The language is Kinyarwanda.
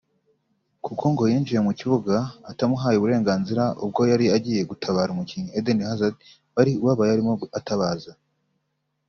kuko ngo yinjiye mu kibuga atamuhaye uburenganzira ubwo yari agiye gutabara umukinnyi Eden Hazard wari ubabaye arimo atabaza